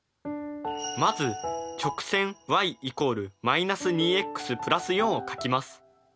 まず直線ｙ＝−２ｘ＋４を書きます。